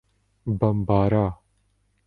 Bambara